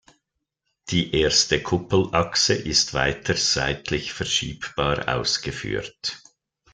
Die erste Kuppelachse ist weiters seitlich verschiebbar ausgeführt.